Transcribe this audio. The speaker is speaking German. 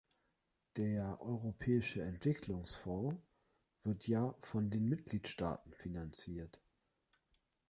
Der Europäische Entwicklungsfonds wird ja von den Mitgliedstaaten finanziert.